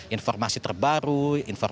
informasi terbaru dari pemerintah jawa barat